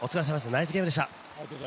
ナイスゲームでした。